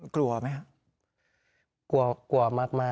กลัวมาก